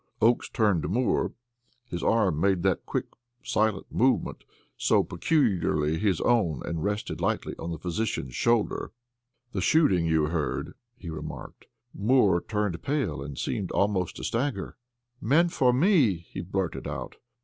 Oakes turned to Moore. His arm made that quick, silent movement so peculiarly his own and rested lightly on the physician's shoulder. "The shooting you heard," he remarked. Moore turned pale and seemed almost to stagger. "Meant for me!" he blurted out.